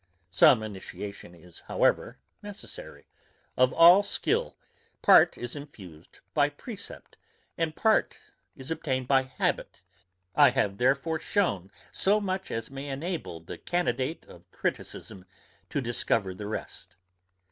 Some initiation is however necessary; of all skill, part is infused by precept, and part is obtained by habit; I have therefore shewn so much as may enable the candidate of criticism to discover the rest.